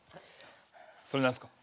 それ何すか？